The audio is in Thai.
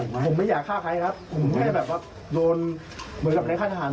ผมไม่อยากฆ่าใครครับผมแค่แบบว่าโดนเหมือนกับในค่ายทหาร